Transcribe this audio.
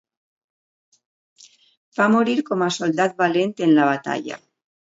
Va morir com a soldat valent en la batalla.